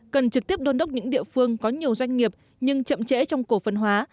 cần trực tiếp đôn đốc những địa phương có nhiều doanh nghiệp nhưng chậm chẽ trong cổ phân hóa